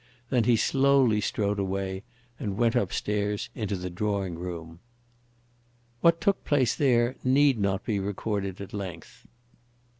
Then he slowly strode away, and went up stairs into the drawing room. What took place there need not be recorded at length.